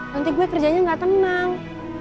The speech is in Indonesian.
nanti gue kerjanya gak tenang